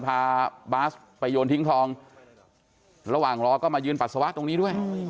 พาบาสไปโยนทิ้งคลองระหว่างรอก็มายืนปัสสาวะตรงนี้ด้วย